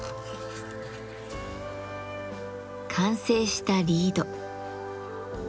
完成したリード。